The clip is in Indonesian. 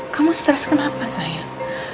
kamu stres kenapa sayang